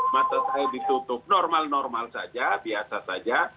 mata saya ditutup normal normal saja biasa saja